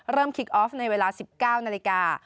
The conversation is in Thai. คิกออฟในเวลา๑๙นาฬิกา